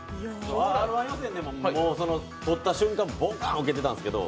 Ｒ−１予選でもとった瞬間、ガッとウケてたんですけど。